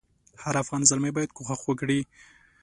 هر افغان زلمی باید کوښښ وکړي.